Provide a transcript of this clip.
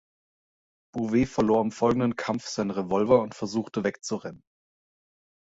Bouvet verlor im folgenden Kampf seinen Revolver und versuchte, wegzurennen.